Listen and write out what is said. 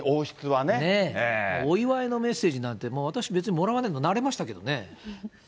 お祝いのメッセージなんて、もう私、別にもらわないのに慣れましたけどね。